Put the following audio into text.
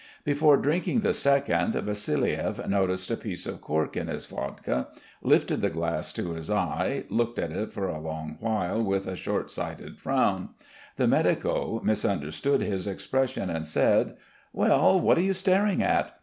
Before drinking the second, Vassiliev noticed a piece of cork in his Vodka, lifted the glass to his eye, looked at it for a long while with a short sighted frown. The medico misunderstood his expression and said "Well, what are you staring at?